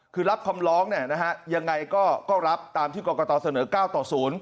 คือรับคำร้องยังไงก็รับตามที่กรกฎาเสนอ๙ต่อ๐